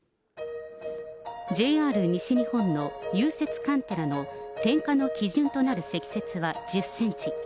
ＪＲ西日本の融雪カンテラの点火の基準となる積雪は１０センチ。